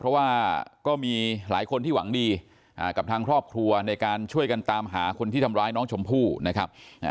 เพราะว่าก็มีหลายคนที่หวังดีกับทางครอบครัวในการช่วยกันตามหาคนที่ทำร้ายน้องชมพู่นะครับ